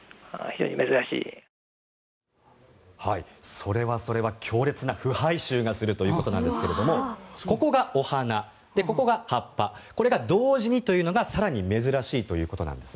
それはそれは強烈な腐敗臭がするということですがここがお花、ここが葉っぱこれが同時にというのが更に珍しいということなんです。